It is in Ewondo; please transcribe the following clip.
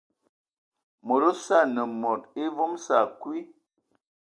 Mod osə anə mod evom sə akwi.